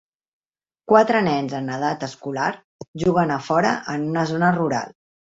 Quatre nens en edat escolar juguen a fora en una zona rural.